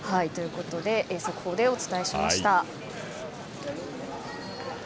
速報でお伝えしました。